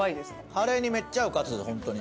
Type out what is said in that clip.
カレーにめっちゃ合うカツだ本当に。